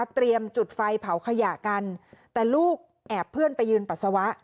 จุดไฟเผาขยะกันแต่ลูกแอบเพื่อนไปยืนปัสสาวะ